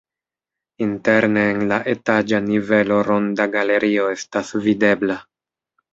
Interne en la etaĝa nivelo ronda galerio estas videbla.